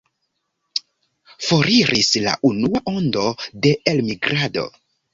Foriris la unua ondo de elmigrado.